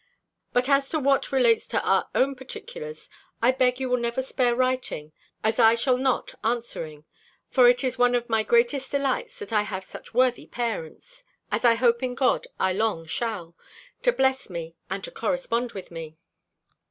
But as to what relates to our own particulars, I beg you will never spare writing, as I shall not answering; for it is one of my greatest delights, that I have such worthy parents (as I hope in God, I long shall) to bless me and to correspond with me.